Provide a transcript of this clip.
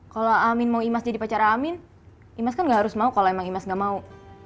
kalau amin mau imas jadi pacara amin imas kan gak harus mau kalau emang imas gak mau